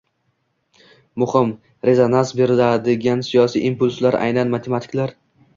muhim, rezonans beradigan siyosiy impulslar aynan matematiklar